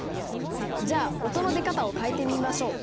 じゃあ音の出方を変えてみましょう。